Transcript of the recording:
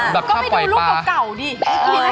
แบบถ้าปล่อยปลาก็ไม่ดูรูปเก่าดิ